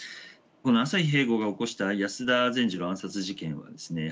この朝日平吾が起こした安田善次郎暗殺事件はですね